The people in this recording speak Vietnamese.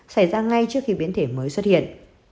xảy ra ngay trước khi biến thể mới xuất hiện